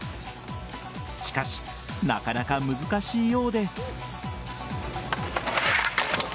しかし、なかなか難しいようで。